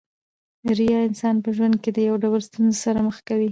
ریاء انسان په ژوند کښي د يو ډول ستونزو سره مخ کوي.